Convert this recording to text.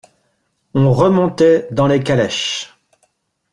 On remontait dans les calèches.